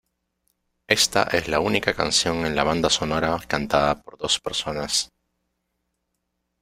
Ésta es la única canción en la banda sonora cantada por dos personas.